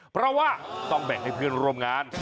เพราะว่าต้องแบ่งให้เพื่อนร่วมงาน